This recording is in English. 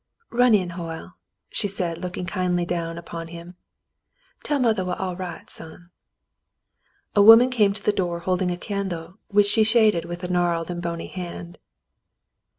*'Run in, Hoyle," she said, looking kindly down upon him. "Tell mothah we're all right, son." A woman came to the door holding a candle, which she shaded w^th a gnarled and bony hand.